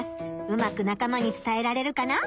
うまくなか間につたえられるかな？